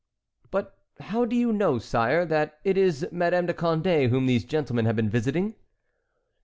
"But how do you know, sire, that it is Madame de Condé whom these gentlemen have been visiting?"